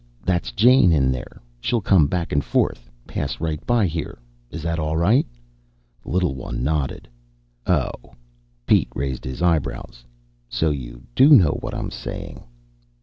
That's Jane in there. She'll come back and forth, pass right by here. Is that all right?" The little one nodded. "Oh?" Pete raised his eyebrows. "So you do know what I'm saying."